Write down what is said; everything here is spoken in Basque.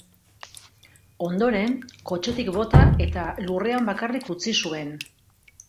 Ondoren, kotxetik bota eta lurrean bakarrik utzi zuen.